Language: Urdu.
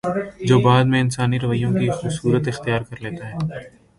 جو بعد میں انسانی رویوں کی صورت اختیار کر لیتا ہے